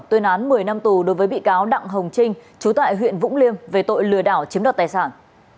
tuyên án một mươi năm tù đối với bị cáo đặng hồng trinh chú tại huyện vũng liêm về tội lừa đảo chiếm đoạt tài sản